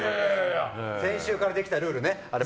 先週からできたルールね。